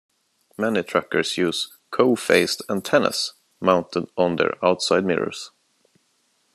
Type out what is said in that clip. Many truckers use two co-phased antennas, mounted on their outside mirrors.